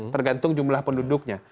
tergantung jumlah penduduknya